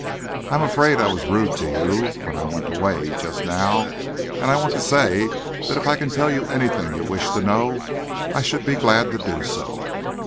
"I'm afraid I was rude to you, when I went away just now; and I want to say that if I can tell you anything you wish to know, I should be glad to do so."